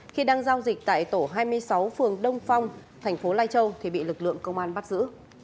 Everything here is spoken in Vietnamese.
khi đang giao dịch tại tổ hai mươi sáu phường đông phong thành phố lai châu thì bị lực lượng công an bắt giữ